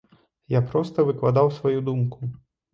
Я проста выкладаў сваю думку.